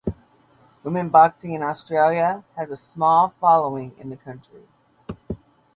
Women's boxing in Australia has a small following in the country.